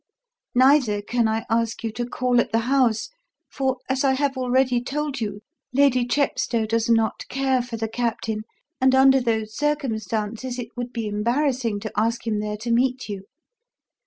Neither can I ask you to call at the house, for, as I have already told you, Lady Chepstow does not care for the Captain and under those circumstances it would be embarrassing to ask him there to meet you.